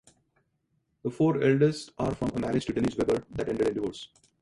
The four eldest are from a marriage to Denise Weber that ended in divorce.